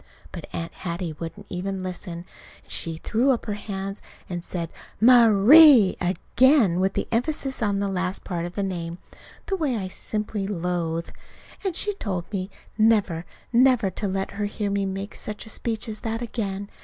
But Aunt Hattie wouldn't even listen. And she threw up her hands and said "Ma_rie_!" again with the emphasis on the last part of the name the way I simply loathe. And she told me never, never to let her hear me make such a speech as that again.